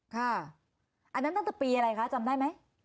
อันนั้นตั้งแต่ปีอะไรคะจำได้ไหม